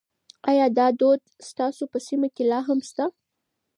ایا دا دود ستاسو په سیمه کې لا هم شته؟